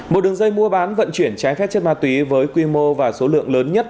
một đường dây mua bán vận chuyển trái phép chất ma túy với quy mô và số lượng lớn nhất